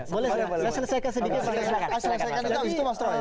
boleh saya selesaikan sedikit pak jokowi